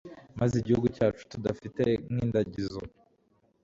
maze iguhugu cyacu tudafite nk'indagizo